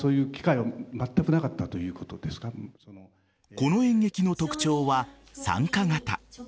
この演劇の特徴は参加型。